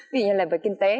ví dụ như là về kinh tế